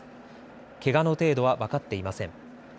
けがの程度は分かっていません。